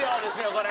これ。